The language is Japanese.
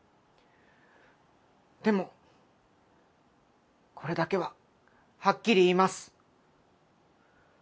でもこれだけははっきり言います。